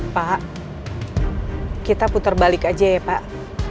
pak kita putar balik aja ya pak